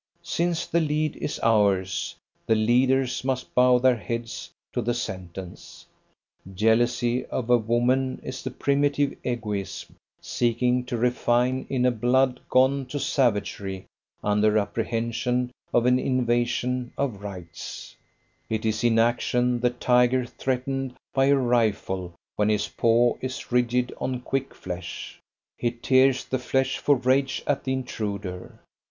Since the lead is ours, the leaders must bow their heads to the sentence. Jealousy of a woman is the primitive egoism seeking to refine in a blood gone to savagery under apprehension of an invasion of rights; it is in action the tiger threatened by a rifle when his paw is rigid on quick flesh; he tears the flesh for rage at the intruder.